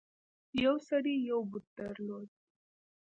یو سړي یو بت درلود.